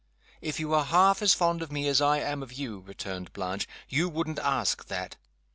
"If you were half as fond of me as I am of you," returned Blanche, "you wouldn't ask that.